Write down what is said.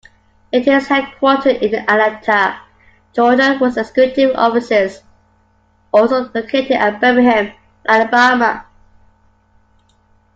It is headquartered in Atlanta, Georgia, with executive offices also located in Birmingham, Alabama.